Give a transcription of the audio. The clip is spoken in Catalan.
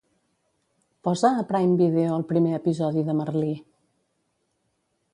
Posa a Prime Video el primer episodi de "Merlí".